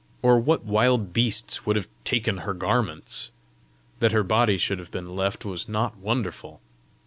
or what wild beasts would have taken her garments? That her body should have been left was not wonderful!